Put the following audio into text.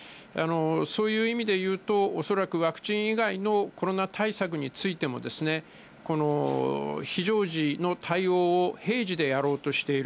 そういう意味で言うと、恐らくワクチン以外のコロナ対策についても、この非常時の対応を平時でやろうとしている。